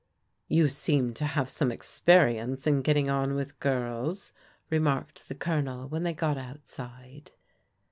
" You seem to have some experience in getting on with girls," remarked the Colonel when they got out side.